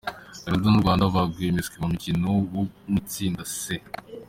Canada n’u Rwanda baguye miswi mu mukino wo mu itsinda C.